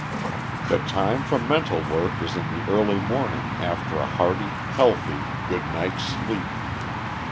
The time for mental work is in the early morning after a hearty, healthy, good night's sleep.